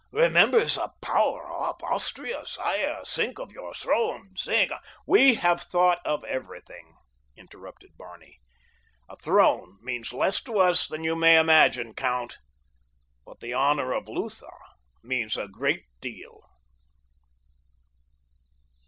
Remember the power of Austria, sire. Think of your throne. Think—" "We have thought of everything," interrupted Barney. "A throne means less to us than you may imagine, count; but the honor of Lutha means a great deal."